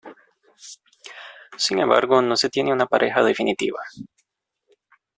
Sin embargo no se tiene una pareja definitiva.